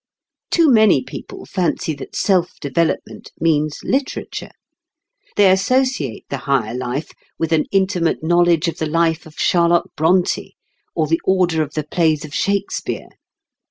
Too many people fancy that self development means literature. They associate the higher life with an intimate knowledge of the life of Charlotte Brontë, or the order of the plays of Shakespeare.